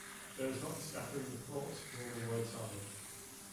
There is not the scattering of thought, nor the word salad.